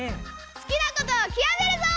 好きなことをきわめるぞ！